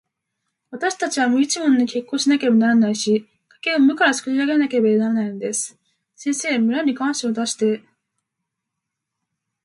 わたしたちは無一文で結婚しなければならないし、家計を無からつくり上げなければならないのです。先生、村に願書を出して、